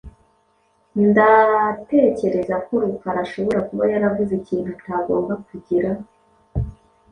Ndatekereza ko Rukara ashobora kuba yaravuze ikintu atagomba kugira.